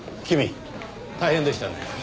君大変でしたね。